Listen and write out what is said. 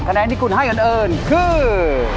แนนที่คุณให้อันเอิญคือ